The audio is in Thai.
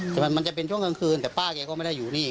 มันจะเป็นช่วงกลางคืนแต่ป้าแกก็ไม่ได้อยู่นี่